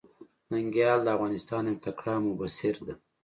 ننګيال د افغانستان يو تکړه مبصر ده.